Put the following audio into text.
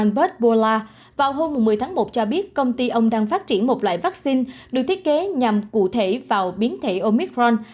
và ông albert bourla vào hôm một mươi tháng một cho biết công ty ông đang phát triển một loại vaccine được thiết kế nhằm cụ thể vào biến thể omicron